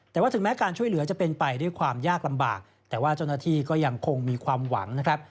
แต่ว่าถึงแม้การช่วยเหลือจะเป็นไปด้วยความยากลำบากแต่ว่าเจ้าหน้าที่ก็ยังคงมีความหวังนะครับ